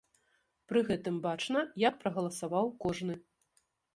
Пры гэтым бачна, як прагаласаваў кожны.